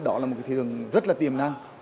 đó là một cái thị trường rất là tiềm năng